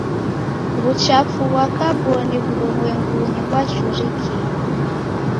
W'uchafu ghwa kaboni w'urumwengunyi ghwachurikie.